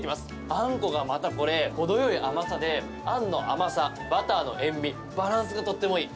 あんこがまたこれほどよい甘さで、あんの甘さバターの塩味バランスがとってもいい！